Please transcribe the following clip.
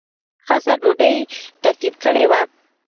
خاصه ډوډۍ ترتیب کړې وه.